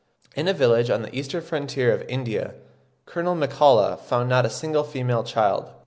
In a village on the eastern frontier of India Colonel MacCulloch found not a single female child.